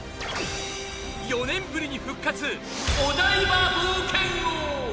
４年ぶりに復活お台場冒険王。